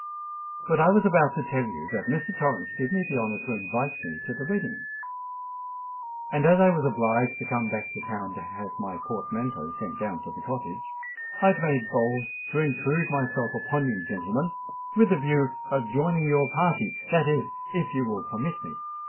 "But I was about to tell you that Mr. Torrens did me the honour to invite me to the wedding; and as I was obliged to come back to town to have my portmanteau sent down to the Cottage, I have made bold to intrude myself upon you, gentlemen, with the view of joining your party—that is, if you will permit me."